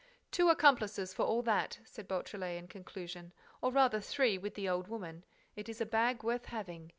"Two accomplices, for all that," said Beautrelet, in conclusion, "or rather three, with the old woman. It is a bag worth having.